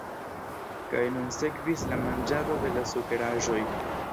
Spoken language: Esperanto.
Kaj nun sekvis la manĝado de la sukeraĵoj.